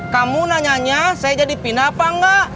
kamu nanyanya saya jadi pindah apa enggak